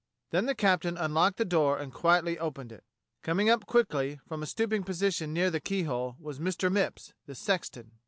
Then the captain unlocked the door and quietly opened it. Coming up quickly from a stooping position near the keyhole was Mr. Mipps, the sexton.